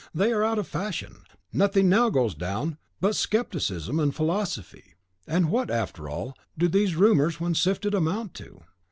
"They are out of fashion; nothing now goes down but scepticism and philosophy. And what, after all, do these rumours, when sifted, amount to?